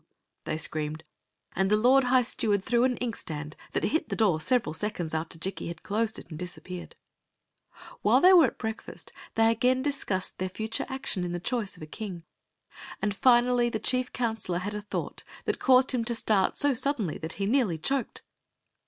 they screamed; and the lord high steward threw an inkstand that hit the door several seconds after Jikki had closed it and disappeared. While they were at breakfast they again discussed their future action in the choice of a king; and finally the chief counselor had a thought that caused him to start so suddenly that he nearly choked.